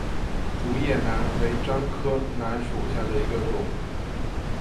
竹叶楠为樟科楠属下的一个种。